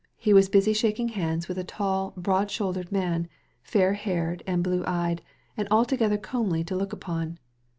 He was busy shaking hands with a tall, broad shouldered man, fair haired, blue eyed, and altogether comely to look upon.